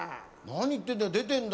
何言ってんだよ出てんだよ。